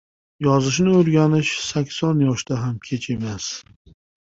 • Yozishni o‘rganish sakson yoshda ham kech emas.